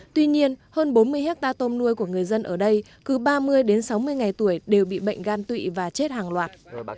tuy nhiên hơn bốn mươi hectare tôm nuôi của người dân ở đây cứ ba mươi đến sáu mươi ngày tuổi đều bị bệnh gan tụy và chết hàng loạt